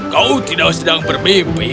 kau tidak sedang bermimpi